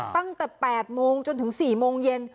ตั้งแต่๘โมงจนถึง๔โมงเย็น